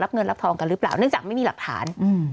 เงินรับทองกันหรือเปล่าเนื่องจากไม่มีหลักฐาน